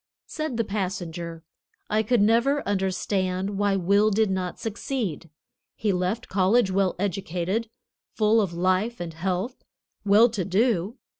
Said the passenger: "I could never understand why Will did not succeed. He left college well educated, full of life and health, well to do.